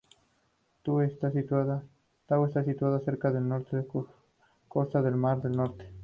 Tau está situada cerca de la costa del Mar del Norte.